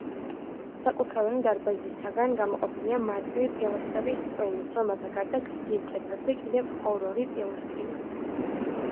საკურთხეველი დარბაზისგან გამოყოფილია მარტივი პილასტრების წყვილით, რომელთა გარდა, გრძივ კედლებზე, კიდევ ორ-ორი პილასტრია.